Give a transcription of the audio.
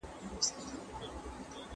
ایا روغتونونه په پیسو پېرودل کیدای سي؟